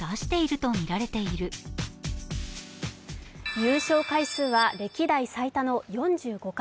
優勝回数は歴代最多の４５回。